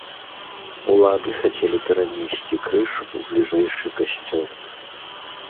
Улады хацелі перанесці крыж у бліжэйшы касцёл.